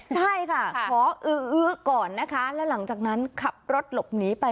ใช่ค่ะขออื้อก่อนนะคะแล้วหลังจากนั้นขับรถหลบหนีไป